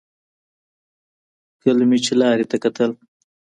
کله مې چې لارې ته کتل.